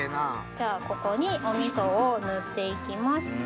じゃあここにお味噌を塗って行きます。